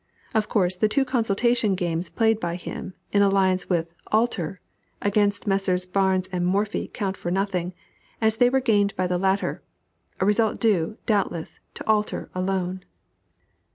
Of course the two consultation games played by him, in alliance with "Alter," against Messrs. Barnes and Morphy count for nothing, as they were gained by the latter; a result due, doubtless, to "Alter" alone.